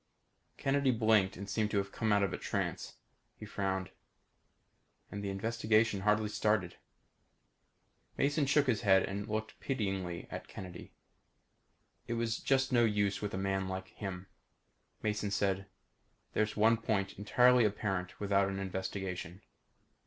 Kennedy blinked and seemed to come out of a trance. He frowned. "And the investigation hardly started." Mason shook his head and looked pityingly at Kennedy. It was just no use with a man like him. Mason said. "There's one point entirely apparent without an investigation."